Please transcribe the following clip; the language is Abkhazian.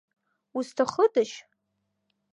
Узҭахыдашь?